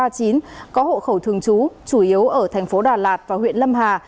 có hộ khẩu thường trú chủ yếu ở thành phố đà lạt và huyện lâm hà